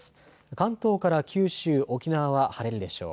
関東から九州、沖縄は晴れるでしょう。